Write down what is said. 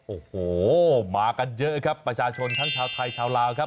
โอ้โหมากันเยอะครับประชาชนทั้งชาวไทยชาวลาวครับ